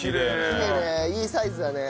きれいだねいいサイズだね。